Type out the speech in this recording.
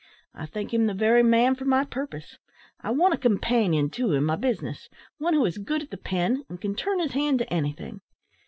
I think him the very man for my purpose. I want a companion, too, in my business one who is good at the pen and can turn his hand to anything.